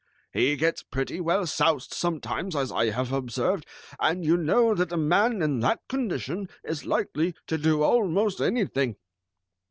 "He gets pretty well soused sometimes, as I have observed, and you know that a man in that condition is likely to do almost anything."